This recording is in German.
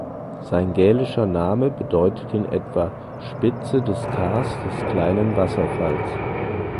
Sein gälischer Name bedeutet in etwa "Spitze des Kars des kleinen Wasserfalls".